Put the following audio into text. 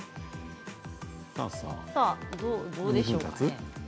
どうでしょうか。